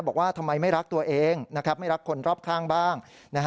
บอกว่าทำไมไม่รักตัวเองไม่รักคนรอบข้างบ้าง